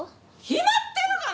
決まってるがな！